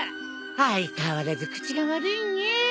相変わらず口が悪いねぇ。